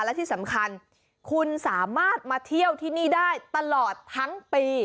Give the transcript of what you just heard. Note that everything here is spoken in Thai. และที่สำคัญคุณสามารถมาเที่ยวที่นี่ได้ตลอดทั้งปี